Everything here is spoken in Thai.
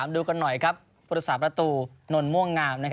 ดูกันหน่อยครับภูติศาสตร์ประตูนลม่วงงาม